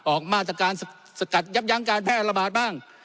ออกมาตรการสกัดยับยั้งการแพร่ระบาดบ้าง